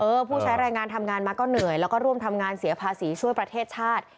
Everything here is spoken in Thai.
ผู้ใช้แรงงานทำงานมาก็เหนื่อยแล้วก็ร่วมทำงานเสียภาษีช่วยประเทศชาติ